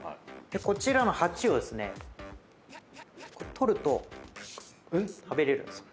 こちらの８をですね取ると食べれるんですよ。